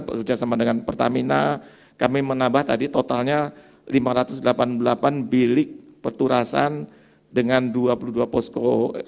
bekerja sama dengan pertamina kami menambah tadi totalnya lima ratus delapan puluh delapan bilik peturasan dengan dua puluh dua posko